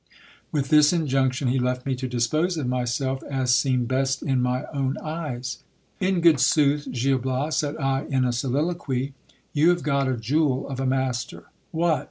With this injunction he left me to dispose of myself as seemed best in my own eyes. In good sooth, Gil Bias, said I in a soliloquy, you have got a jewel of a mas ter. What